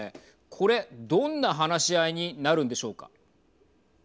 これどんな話し合いになるんでしょうか。